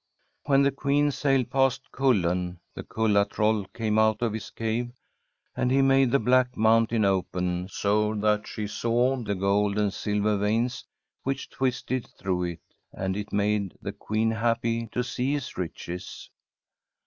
When the Queen sailed past Kullen, the Kulla troll came out of his cave, and he made the black mountain open, so that she saw the gold and silver veins which twisted through it, and it made the Queen happy to see his riches.